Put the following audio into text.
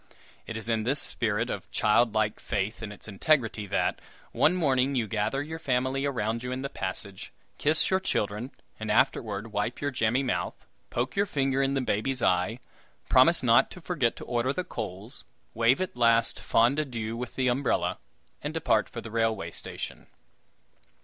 It is in this spirit of child like faith in its integrity that, one morning, you gather your family around you in the passage, kiss your children, and afterward wipe your jammy mouth, poke your finger in the baby's eye, promise not to forget to order the coals, wave at last fond adieu with the umbrella, and depart for the railway station.